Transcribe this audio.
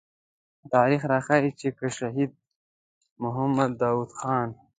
تاريخ راښيي چې که شهيد محمد داود خان.